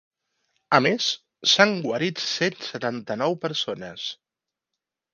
A més, s’han guarit cent setanta-nou persones.